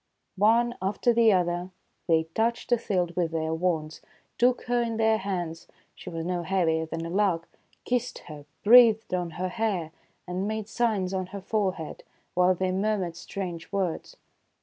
One after the other they touched Othilde with their wands, took her in their hands, — she was no heavier than a lark, — kissed her, breathed on her hair, and made signs on her forehead, while they murmured strange words.